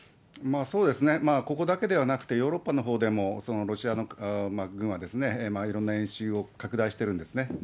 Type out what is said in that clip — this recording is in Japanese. そうですね、ここだけではなくてヨーロッパのほうでも、ロシアの軍はいろんな演習を拡大しているんですね。